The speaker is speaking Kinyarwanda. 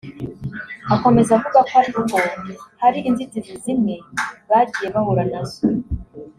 Akomeza avuga ko ariko hari inzitizi zimwe bagiye bahura nazo